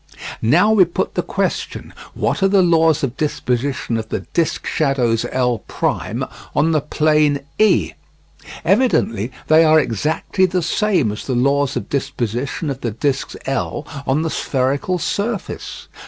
Now we put the question, What are the laws of disposition of the disc shadows L' on the plane E? Evidently they are exactly the same as the laws of disposition of the discs L on the spherical surface.